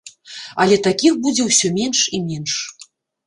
Але такіх будзе ўсё менш і менш.